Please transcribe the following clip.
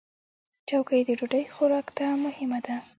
چوکۍ د ډوډۍ خوراک ته مهمه ده.